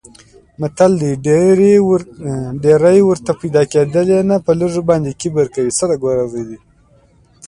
متل دی: ډېرې ورته پیدا کېدلې نه په لږو باندې کبر کوي.